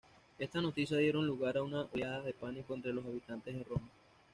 Estas noticias dieron lugar a una oleada de pánico entre los habitantes de Roma.